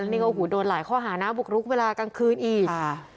นี่ก็โอ้โหโดนหลายข้อหานะบุกรุกเวลากลางคืนอีกค่ะ